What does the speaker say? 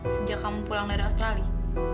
sejak kamu pulang dari australia